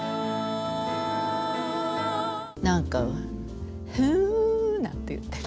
何かふなんて言って。